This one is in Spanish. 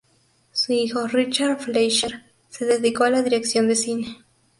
Su hijo, Richard Fleischer, se dedicó a la dirección de cine.